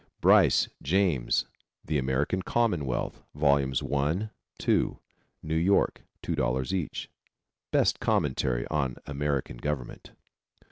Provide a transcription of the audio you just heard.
Bryce, James, The American Commonwealth, Vols. I, II. New York, $2.00 each. Best commentary on American Government.